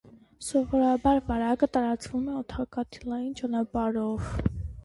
Սովորաբար վարակը տարածվում է օդակաթիլային ճանապարհով։